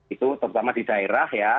itu terutama di daerah ya